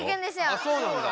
あそうなんだ。